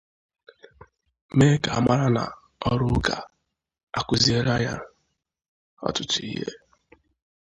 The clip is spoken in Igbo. mee ka a mara na ọrụ ụka akụzierela ya ọtụtụ ihe